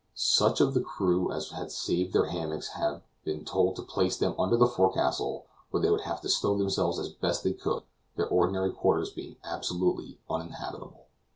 Such of the crew as had saved their hammocks have been told to place them under the forecastle where they would have to stow themselves as best they could, their ordinary quarters being absolutely uninhabitable.